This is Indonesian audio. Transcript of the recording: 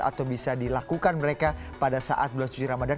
atau bisa dilakukan mereka pada saat bulan suci ramadan